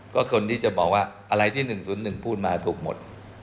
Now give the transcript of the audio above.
ก็คนที่จะบอกว่าอะไรที่๑๐๑พูดมาถูกหมด